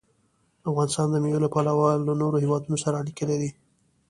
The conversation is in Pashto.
افغانستان د مېوې له پلوه له نورو هېوادونو سره اړیکې لري.